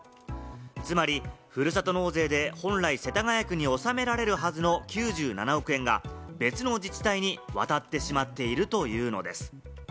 つまり、ふるさと納税で本来、世田谷区に納められるはずの９７億円が別の自治体に渡ってしまっているというのです。